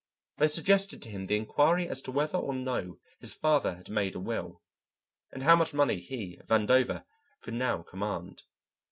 They suggested to him the inquiry as to whether or no his father had made a will, and how much money he, Vandover, could now command.